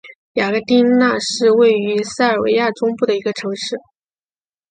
雅戈丁那是位于塞尔维亚中部的一个城市。